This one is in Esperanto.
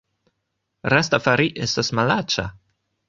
Rastafari estas malaĉa